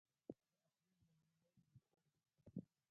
د اپرېل له لومړۍ نېټې